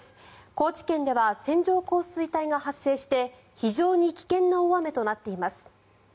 高知県では線状降水帯が発生して非常に危険な大雨となっています。